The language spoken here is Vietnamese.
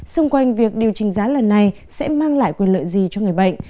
xung quanh việc điều chỉnh giá lần này sẽ mang lại quyền lợi gì cho người bệnh